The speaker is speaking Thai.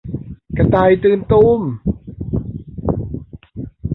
กระต่ายตื่นตูม